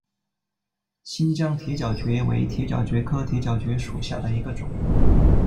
新疆铁角蕨为铁角蕨科铁角蕨属下的一个种。